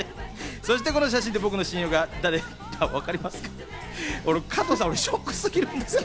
そしてこの写真で僕の親友が誰だかお分かりですかね？